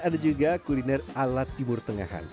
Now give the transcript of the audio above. ada juga kuliner ala timur tengahan